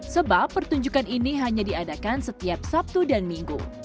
sebab pertunjukan ini hanya diadakan setiap sabtu dan minggu